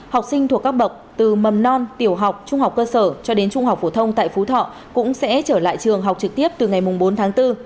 học sinh thuộc các bậc từ mầm non tiểu học trung học cơ sở cho đến trung học phổ thông tại phú thọ cũng sẽ trở lại trường học trực tiếp từ ngày bốn tháng bốn